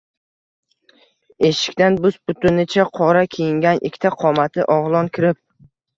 Eshikdan bus-butunicha qora kiyingan ikkita qomatli o‘g‘lon kirib